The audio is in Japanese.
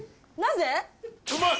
うまい！